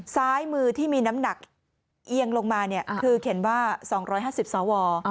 ซ้ายมือที่มีน้ำหนักเอียงลงมาคือเขียนว่า๒๕๐สว